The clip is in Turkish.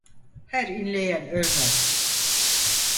Her inleyen ölmez.